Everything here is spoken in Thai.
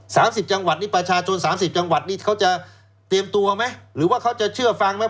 สามสิบจังหวัดนี่ประชาชนสามสิบจังหวัดนี่เขาจะเตรียมตัวไหมหรือว่าเขาจะเชื่อฟังไหม